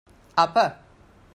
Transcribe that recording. Apa!